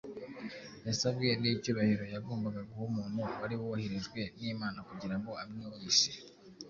yasabwe n’icyubahiro yagombaga guha umuntu wari woherejwe n’Imana kugira ngo amwigishe,